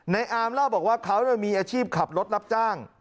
อาร์มเล่าบอกว่าเขามีอาชีพขับรถรับจ้าง